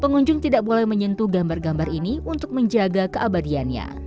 pengunjung tidak boleh menyentuh gambar gambar ini untuk menjaga keabadiannya